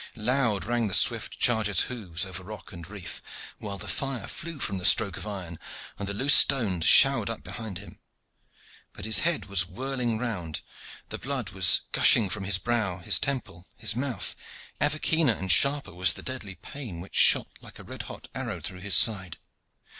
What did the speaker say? Loud rang the swift charger's hoofs over rock and reef, while the fire flew from the stroke of iron, and the loose stones showered up behind him. But his head was whirling round, the blood was gushing from his brow, his temple, his mouth. Ever keener and sharper was the deadly pain which shot like a red hot arrow through his side.